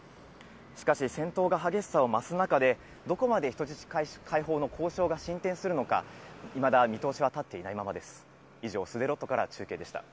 しかし、戦闘が激しさを増す中で、どこまで人質解放の交渉が進展するのか、いまだ見通しは立っていないままです。